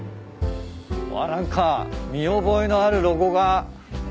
あっ何か見覚えのあるロゴが。